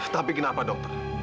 tapi kenapa dokter